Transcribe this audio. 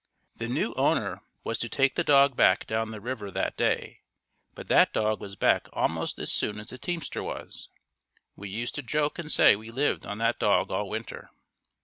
The new owner was to take the dog back down the river that day, but that dog was back almost as soon as the teamster was. We used to joke and say we lived on that dog all winter.